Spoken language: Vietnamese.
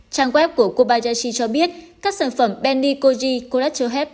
trang web của kobayashi cho biết các sản phẩm benikoji crater health